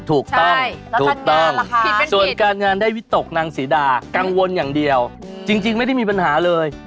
ถูกต้องถูกต้องส่วนการงานได้วิตกนางศรีดากังวลอย่างเดียวจริงไม่ได้มีปัญหาเลย